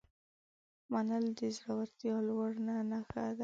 منل د زړورتیا لوړه بڼه ده.